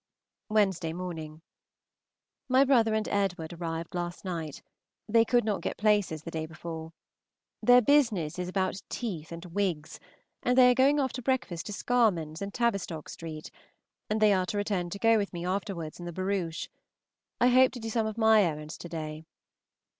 Wednesday morning. My brother and Edwd. arrived last night. They could not get places the day before. Their business is about teeth and wigs, and they are going after breakfast to Scarman's and Tavistock St., and they are to return to go with me afterwards in the barouche. I hope to do some of my errands to day.